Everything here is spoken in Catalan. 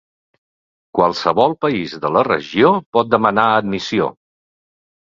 Qualsevol país de la regió pot demanar admissió.